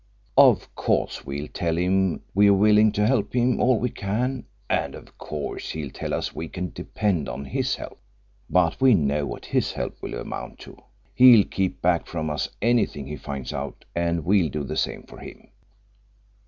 "Of course we'll tell him we're willing to help him all we can, and of course hell tell us we can depend on his help. But we know what his help will amount to. He'll keep back from us anything he finds out, and we'll do the same for him.